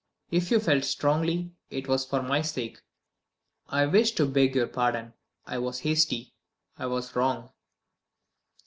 If you felt strongly, it was for my sake. I wish to beg your pardon; I was hasty, I was wrong."